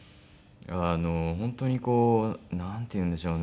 本当にこうなんていうんでしょうね。